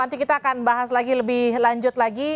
nanti kita akan bahas lagi lebih lanjut lagi